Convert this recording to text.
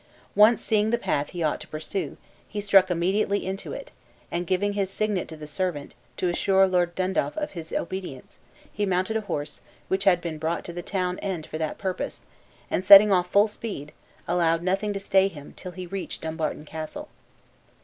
Once seeing the path he ought to pursue, he struck immediately into it; and giving his signet to the servant, to assure Lord Dundaff of his obedience, he mounted a horse, which had been brought to the town end for that purpose, and setting off full speed, allowed nothing to stay him, till he reached Dumbarton Castle.